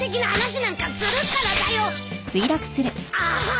ああ。